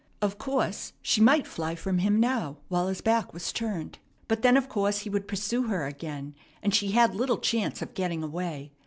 Of course she might fly from him now while his back was turned; but then of course he would pursue her again, and she had little chance of getting away.